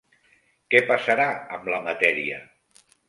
Què passarà amb la matèria?